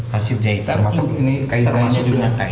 hasil jahitan termasuk ini kain kainnya juga